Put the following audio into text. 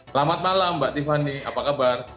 selamat malam mbak tiffany apa kabar